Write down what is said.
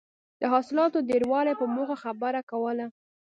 د حاصلاتو د ډېروالي په موخه خبره کوله.